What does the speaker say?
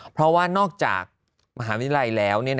เพราะว่านอกจากมหาวิทยาลัยแล้ว